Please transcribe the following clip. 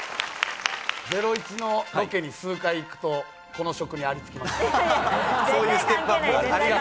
『ゼロイチ』のロケに数回行くと、この職にありつけます。